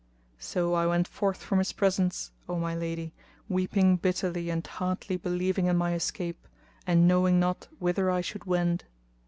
So I went forth from his presence, O my lady, weeping bitterly and hardly believing in my escape and knowing not whither I should wend.